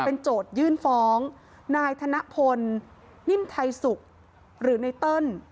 เป็นโจทยื่นฟ้องนายธนพลนิ่มไทยสุขหรือไนเติ้ล